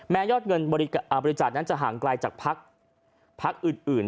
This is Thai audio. ยอดเงินบริจาคนั้นจะห่างไกลจากพักอื่น